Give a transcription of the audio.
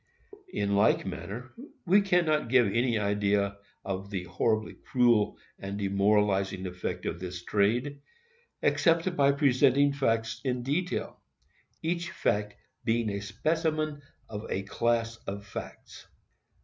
In like manner, we cannot give any idea of the horribly cruel and demoralizing effect of this trade, except by presenting facts in detail, each fact being a specimen of a class of facts.